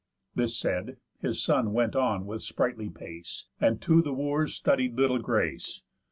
This said, his son went on with spritely pace, And to the Wooers studied little grace.